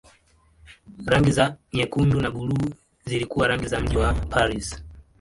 Rangi za nyekundu na buluu zilikuwa rangi za mji wa Paris.